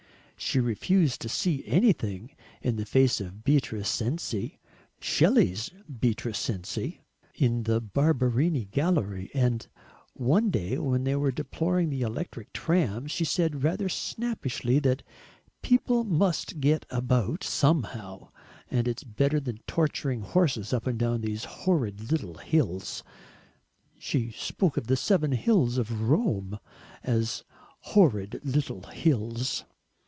She refused to "see anything" in the face of Beatrice Cenci Shelley's Beatrice Cenci! in the Barberini gallery; and one day, when they were deploring the electric trams, she said rather snappishly that "people must get about somehow, and it's better than torturing horses up these horrid little hills." She spoke of the Seven Hills of Rome as "horrid little hills!"